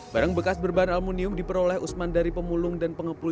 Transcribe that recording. barang bekas berbahan aluminium diperoleh usman dari pemulung dan pengepul